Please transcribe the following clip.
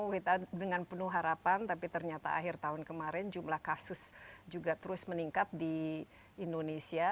kita dengan penuh harapan tapi ternyata akhir tahun kemarin jumlah kasus juga terus meningkat di indonesia